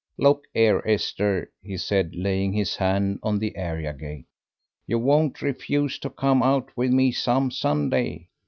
"Look 'ere, Esther," he said, laying his hand on the area gate. "You won't refuse to come out with me some Sunday.